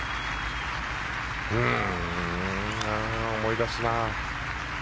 思い出すな。